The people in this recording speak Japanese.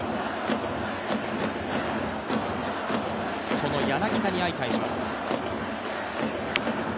その柳田に相対します。